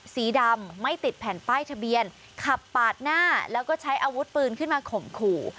สีดำไม่ติดแผ่นป้ายทะเบียนขับปาดหน้าแล้วก็ใช้อาวุธปืนขึ้นมาข่มขู่